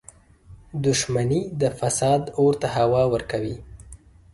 • دښمني د فساد اور ته هوا ورکوي.